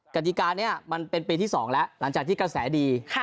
กติกานี้มันเป็นปีที่๒แล้วหลังจากที่กระแสดี